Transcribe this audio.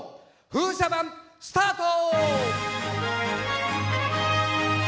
風車盤、スタート！